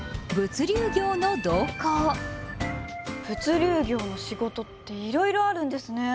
物流業の仕事っていろいろあるんですね。